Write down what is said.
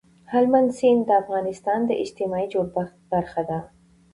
هلمند سیند د افغانستان د اجتماعي جوړښت برخه ده.